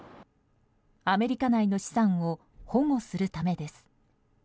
アメリカ内の資産を保護するためです。